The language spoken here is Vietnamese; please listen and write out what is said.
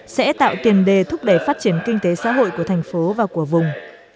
sẽ tạo tiền đề thúc đẩy phát triển kinh tế xã hội của thành phố và của vùng